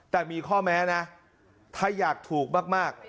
แต่มีข้อแม้นะถ้าอยากถูกมาก